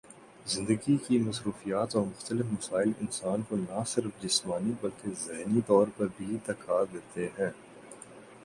زندگی کی مصروفیات اور مختلف مسائل انسان کو نہ صرف جسمانی بلکہ ذہنی طور پر بھی تھکا دیتے ہیں